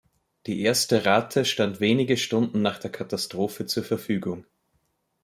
Die erste Rate stand wenige Stunden nach der Katastrophe zur Verfügung.